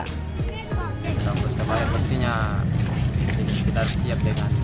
kita bersama yang pastinya kita siap dengan